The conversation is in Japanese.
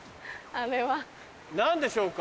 あれは。何でしょうか？